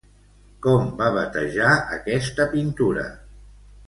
Com va batejar aquesta pintura?